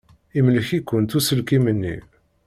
Imlek-ikent uselkim-nni.